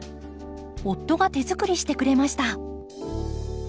夫が手づくりしてくれました。